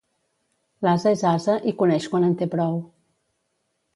L'ase és ase i coneix quan en té prou.